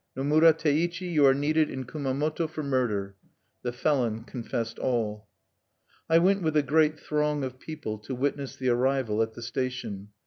Nomura Teichi, you are needed in Kumamoto for murder." The felon confessed all. I went with a great throng of people to witness the arrival at the station.